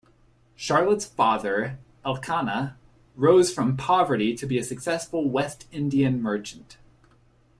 Charlotte's father, Elkanah, rose from poverty to be a successful West Indian merchant.